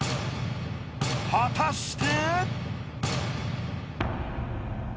［果たして？］